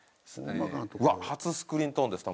うわっ初スクリーントーンです